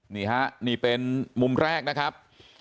นี่เป็นมุมแรกนะครับ